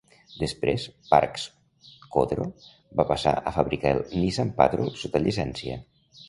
Després, Pars Khodro va passar a fabricar el Nissan Patrol sota llicència.